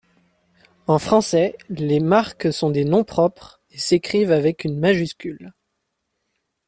En français, les marques sont des noms propres et s'écrivent avec une majuscule.